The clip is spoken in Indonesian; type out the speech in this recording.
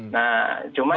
nah cuma ini